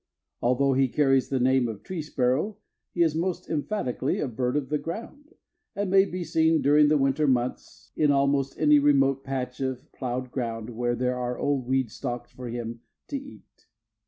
Although he carries the name of tree sparrow, he is most emphatically a bird of the ground, and may be seen during the winter months in almost any remote patch of plowed ground where there are old weed stalks for him to eat.